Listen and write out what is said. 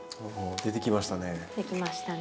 出てきましたね。